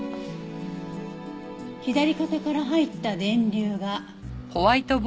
左肩から入った電流が。